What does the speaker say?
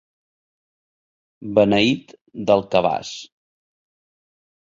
Beneit del cabàs.